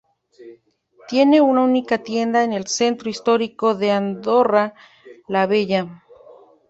Tiene una única tienda en el centro histórico de Andorra la Vella.